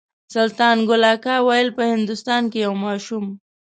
سلطان ګل اکا ویل په هندوستان کې یو ماشوم.